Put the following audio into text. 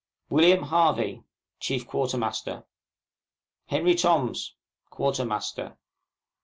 WM. HARVEY, Chief Quartermaster. HENRY TOMS, Quartermaster.